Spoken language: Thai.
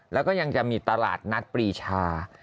แล้วก็ยังจะมีตลาดนัดปรีชา